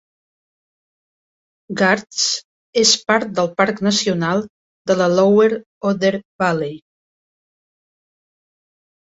Gartz és part del Parc nacional de la Lower Oder Valley.